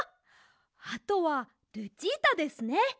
あとはルチータですね。